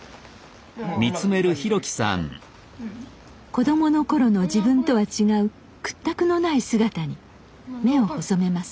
子どもの頃の自分とは違う屈託のない姿に目を細めます。